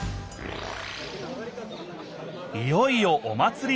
いよいよお祭りの日。